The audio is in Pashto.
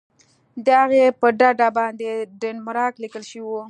د هغې په ډډه باندې ډنمارک لیکل شوي وو.